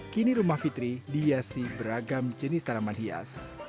kini rumah fitri dihiasi beragam jenis tanaman hias